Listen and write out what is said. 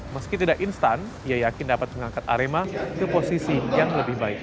meski tidak instan ia yakin dapat mengangkat arema ke posisi yang lebih baik